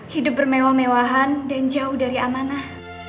hidup bermewah mewahan dan jauh dari amanah